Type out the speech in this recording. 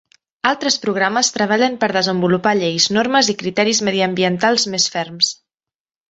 Altres programes treballen per desenvolupar lleis, normes i criteris mediambientals més ferms.